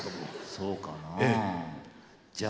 そうかなあ？